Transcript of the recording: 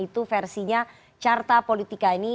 itu versinya carta politika ini